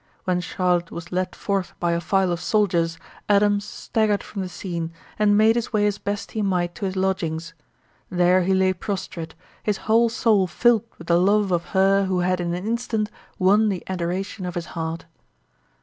When Charlotte was led forth by a file of soldiers Adam staggered from the scene and made his way as best he might to his lodgings. There he lay prostrate, his whole soul filled with the love of her who had in an instant won the adoration of his heart.